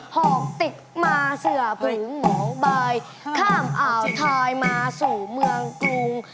หอบติดมาเสือผืนหมองบายข้ามอ่าวไทยมาสู่เมืองกรุง